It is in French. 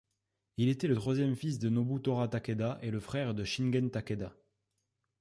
Il était le troisième fils de Nobutora Takeda et le frère de Shingen Takeda.